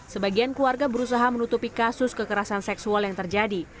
sebagian keluarga berusaha menutupi kasus kekerasan seksual yang terjadi